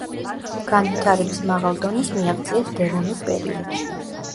განვითარების მაღალ დონეს მიაღწიეს დევონურ პერიოდში.